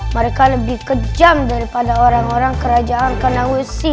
mereka lebih kejam daripada orang orang kerajaan kandang wesi